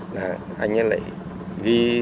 là anh ấy lại ghi